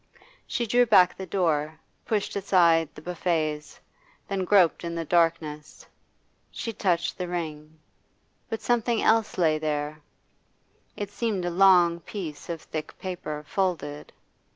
She drew back the door, pushed aside the buffets, then groped in the darkness. She touched the ring. But something else lay there; it seemed a long piece of thick paper, folded.